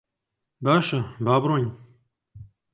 باشە، با بڕۆین.